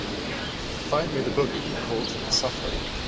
Find me the book called Suffer